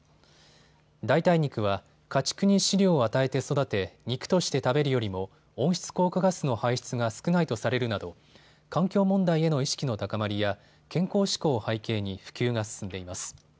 代替肉は家畜に飼料を与えて育て肉として食べるよりも温室効果ガスの排出が少ないとされるなど環境問題への意識の高まりや健康志向を背景に普及が進んでいます。